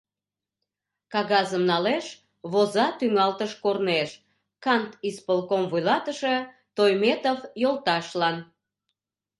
Кагазым налеш, воза тӱҥалтыш корнеш: «Кантисполком вуйлатыше Тойметов йолташлан.